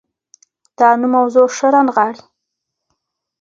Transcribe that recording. دا نوم موضوع ښه رانغاړي.